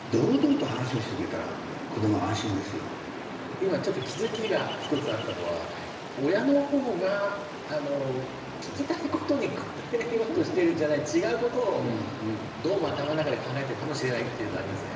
今ちょっと気付きが一つあったのは親の方が聞きたいことに答えようとしてるんじゃない違うことをどうも頭の中で考えてるかもしれないっていうのはありますね。